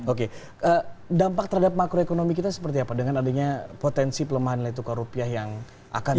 oke dampak terhadap makroekonomi kita seperti apa dengan adanya potensi pelemahan nilai tukar rupiah yang akan terjadi